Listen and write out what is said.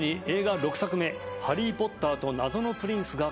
映画「ハリー・ポッターと謎のプリンス」